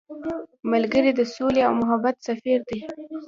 ملګری د سولې او محبت سفیر دی